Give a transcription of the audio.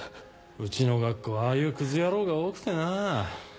うちの学校ああいうクズ野郎が多くてな。